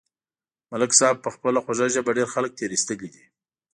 ملک صاحب په خپله خوږه ژبه ډېر خلک تېر ایستلي دي.